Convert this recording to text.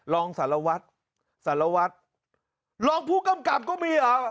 รองสารวัฒน์รองผู้กำกับก็มีเหรอ